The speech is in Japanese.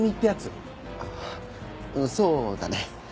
ああそうだね。